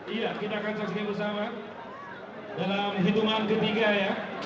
iya kita akan saksikan bersama dalam hitungan ketiga ya